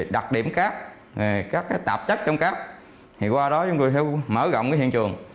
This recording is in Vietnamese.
đặt điểm cát các cái tạp chất trong cát thì qua đó chúng tôi mở rộng cái hiện trường